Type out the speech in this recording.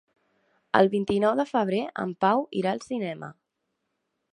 El vint-i-nou de febrer en Pau irà al cinema.